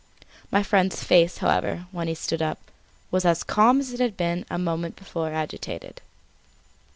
My friend's face, however, when he stood up, was as calm as it had been a moment before agitated.